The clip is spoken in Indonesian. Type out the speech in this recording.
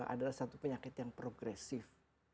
adalah satu penyakit yang progresif